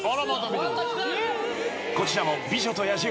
［こちらも『美女と野獣』］